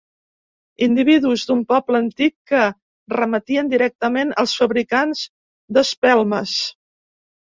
Individus d'un poble antic que remetien directament als fabricants d'espelmes.